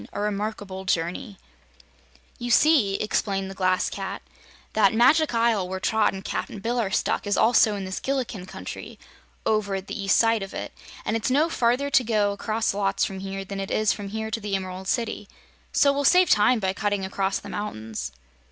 A Remarkable Journey "You see," explained the Glass Cat, "that Magic Isle where Trot and Cap'n Bill are stuck is also in this Gillikin Country over at the east side of it, and it's no farther to go across lots from here than it is from here to the Emerald City. So we'll save time by cutting across the mountains."